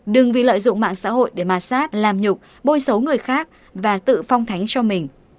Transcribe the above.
đừng vì lợi dụng mạng xã hội để mà sát làm nhục bôi xấu người khác và tự phong thánh cho mình